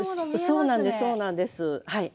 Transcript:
そうなんですそうなんですはい。